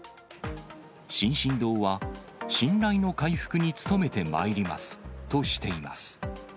進々堂は、信頼の回復に努めてまいりますとしています。